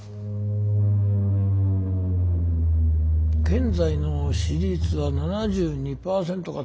現在の支持率は７２％か。